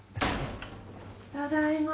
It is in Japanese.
ただいま。